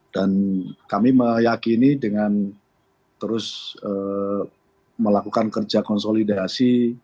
dan kami meyakini dengan terus melakukan kerja konsolidasi